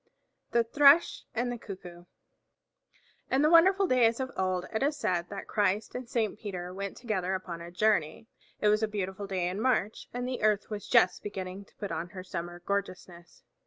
THE THRUSH AND THE CUCKOO In the wonderful days of old it is said that Christ and Saint Peter went together upon a journey. It was a beautiful day in March, and the earth was just beginning to put on her summer gorgeousness.